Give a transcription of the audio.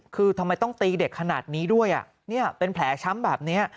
คือทำไมต้องตีเด็กขนาดนี้ด้วยเป็นแผลช้ำแบบนี้